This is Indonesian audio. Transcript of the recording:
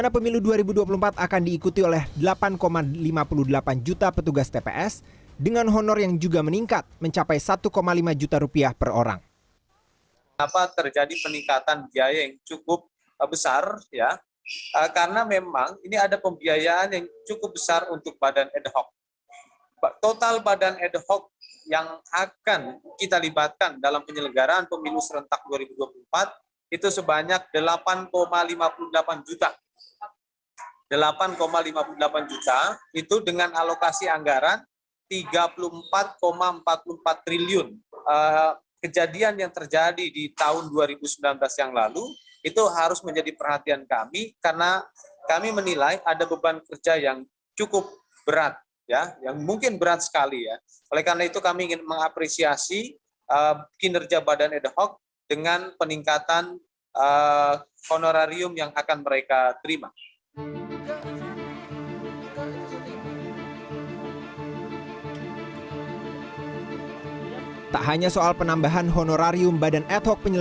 pemilu serentak dua ribu dua puluh empat